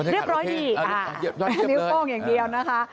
เรียบร้อยดีแต่นิ้วโป้งอย่างเดียวนะคะ